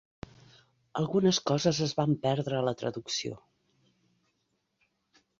Algunes coses es van perdre a la traducció.